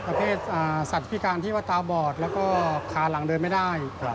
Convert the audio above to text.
ประเภทสัตว์พิการที่ว่าตาบอดแล้วก็คาหลังเดินไม่ได้